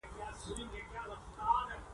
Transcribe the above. چې سرونه وي خولۍ ډېرې دي د سر او ژوند ارزښت ښيي